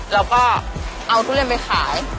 แล้วก็เอาทุเรียนไปขาย